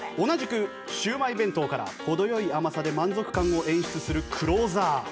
同じくシウマイ弁当から程良い甘さで満足感を演出するクローザー。